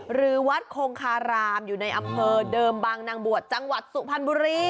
หรือวัดโคงคารามอยู่ในอำเภอเดิมบางนางบวชจังหวัดสุพรรณบุรี